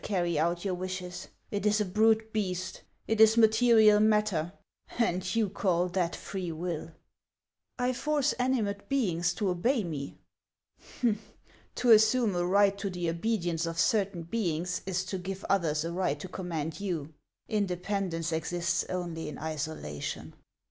51 carry out your wishes ; it is a brute beast, it is material matter ; and you call that free will !"" I force animate beings to obey me." " To assume a right to the obedience of certain beings is to give others a right to command you. Independence exists only in isolation."